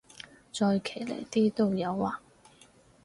再騎呢啲都有啊